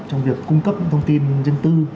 trong việc cung cấp những thông tin dân tư